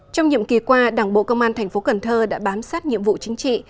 trong nhiệm kỳ qua đảng bộ công an tp cần thơ đã bám sát nhiệm vụ chính trị